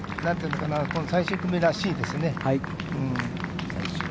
最終組らしいですね。